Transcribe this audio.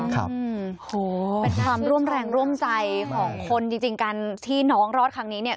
โอ้โหเป็นความร่วมแรงร่วมใจของคนจริงการที่น้องรอดครั้งนี้เนี่ย